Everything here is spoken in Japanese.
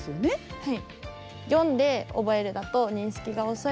はい。